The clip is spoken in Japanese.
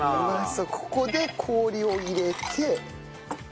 ここで氷を入れて。